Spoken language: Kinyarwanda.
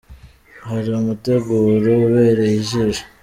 hari umuteguro ubereye ijisho.